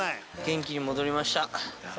元気に戻りました。